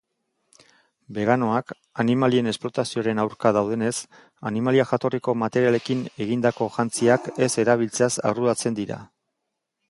Beganoak, animalien esplotazioaren aurka daudenez, animalia-jatorriko materialekin egindako jantziak ez erabiltzeaz arduratzen dira.